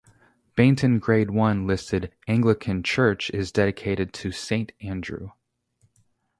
Bainton Grade One listed Anglican church is dedicated to Saint Andrew.